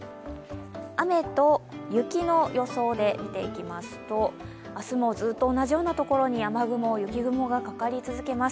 雨と雪の予想で見ていきますと、明日もずっと同じようなところに雨雲・雪雲がかかり続けます。